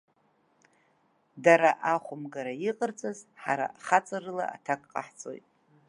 Дара ахәымгара иҟарҵаз ҳара хаҵарыла аҭак ҟаҳҵоит.